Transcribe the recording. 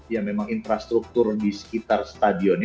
ya memang infrastruktur di sekitar stadionnya